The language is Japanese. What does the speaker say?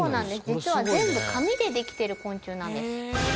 実は全部紙でできてる昆虫なんです。